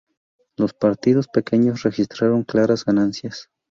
Los partidos pequeños registraron claras ganancias.